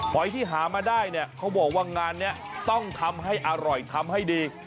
หอยที่หามาได้เนี่ยเขาบอกว่างานนี้ต้องทำให้อร่อยทำให้ดี